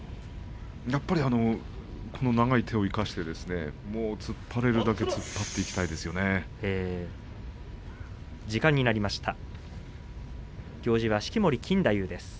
やっぱりこの長い手を生かして突っ張れるだけ突っ張っていきたいですよね。